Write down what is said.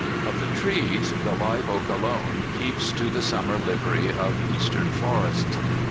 Of the trees, the live oak alone keeps to the summer livery of Eastern forests.